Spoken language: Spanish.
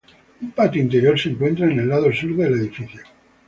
Un patio interior se encuentra en el lado sur del edificio.